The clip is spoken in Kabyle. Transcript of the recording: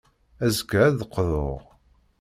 Azekka, ad d-qḍuɣ.